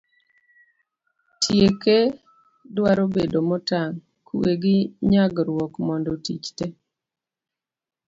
tieke dwaro bedo motang' ,kwe gi nyagruok mondo tich te